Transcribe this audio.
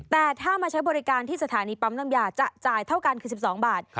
แต่ถ้ามาใช้บริการที่สถานีปั๊มน้ำยาจะจ่ายเท่ากันคือ๑๒บาท